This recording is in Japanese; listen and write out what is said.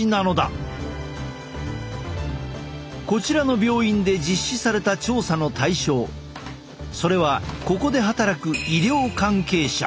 こちらの病院で実施された調査の対象それはここで働く医療関係者。